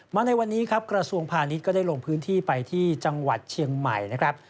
ในวันนี้ครับกระทรวงพาณิชย์ก็ได้ลงพื้นที่ไปที่จังหวัดเชียงใหม่นะครับ